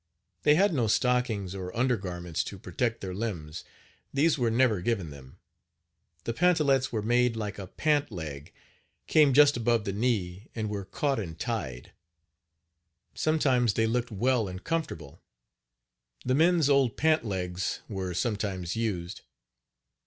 They had no stockings or undergarments to protect their limbs these were never given them. The pantalets were made like a pant leg, came just above the knee, and were caught and tied. Sometimes they looked well and comfortable. The men's old pant legs were sometimes used.